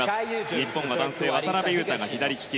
日本は男性、渡辺勇大が左利き。